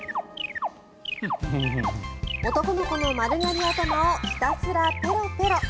男の子の丸刈り頭をひたすらペロペロ。